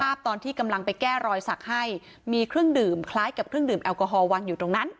ตอนที่กำลังไปแก้รอยสักให้มีเครื่องดื่มคล้ายกับเครื่องดื่มแอลกอฮอลวางอยู่ตรงนั้น